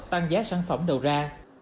tăng giá sản phẩm đầu ra